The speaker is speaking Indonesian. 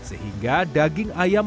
sehingga daging ayamnya berusia tiga bulan